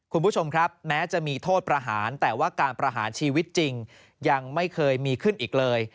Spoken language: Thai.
คุณผู้ชมครับแม้จะมีโทษประหารแต่ว่าการประหารชีวิตจริงยังไม่เคยมีขึ้นอีกเลย